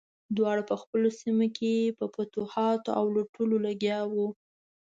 دواړه په خپلو سیمو کې په فتوحاتو او لوټلو لګیا وو.